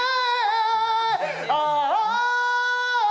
ああ！